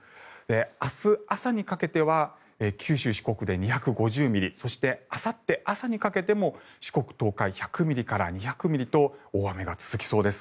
明日朝にかけては九州、四国で２５０ミリそして、あさって朝にかけても四国、東海１００ミリから２００ミリと大雨が続きそうです。